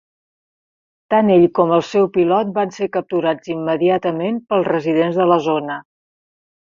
Tant ell com el seu pilot van ser capturats immediatament pels residents de la zona.